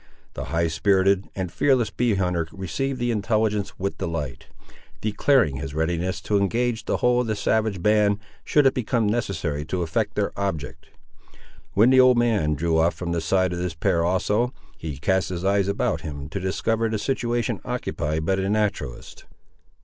The high spirited and fearless bee hunter received the intelligence with delight, declaring his readiness to engage the whole of the savage band, should it become necessary to effect their object. When the old man drew off from the side of this pair also, he cast his eyes about him to discover the situation occupied by the naturalist.